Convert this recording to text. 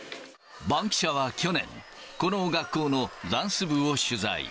バンキシャは去年、この学校のダンス部を取材。